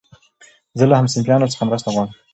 زه له همصنفيانو څخه مرسته غواړم.